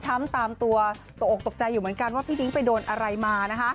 ซหมตามตัวตองตกใจอยู่เหมือนกันว่าพี่นิ้กไปโดนอะไรมา